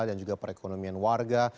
dan juga perekonomian warga